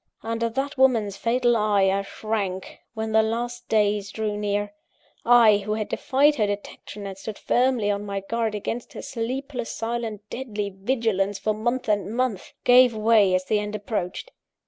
Under that woman's fatal eye I shrank, when the last days drew near I, who had defied her detection, and stood firmly on my guard against her sleepless, silent, deadly vigilance, for months and months gave way as the end approached!